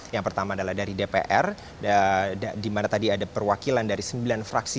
yang pertama adalah dari dpr di mana tadi ada perwakilan dari sembilan fraksi